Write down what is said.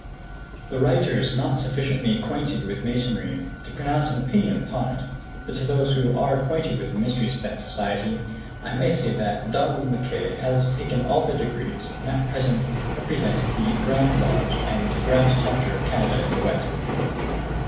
The writer is not sufficiently acquainted with Masonry to pronounce an opinion upon it, but to those who are acquainted with the mysteries of that society, I may say that Donald Mackay has taken all the degrees, and at present represents the Grand Lodge and Grand Chapter of Canada in the west.